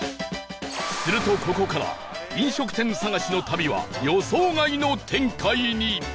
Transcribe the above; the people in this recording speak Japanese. するとここから飲食店探しの旅は予想外の展開に！